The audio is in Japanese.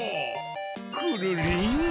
くるりん。